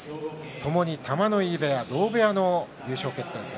ともに玉ノ井部屋、同部屋の優勝決定戦。